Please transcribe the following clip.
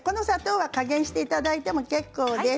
加減していただいて結構です。